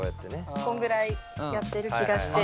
こんぐらいやってる気がして。